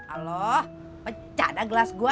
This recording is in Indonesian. alo pecah dah gelas gua